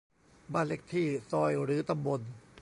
บ้านเลขที่ ซอย หรือตำบล